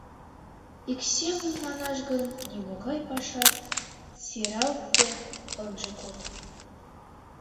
Ик семын манаш гын, нимогай пашат сералтде ынже код.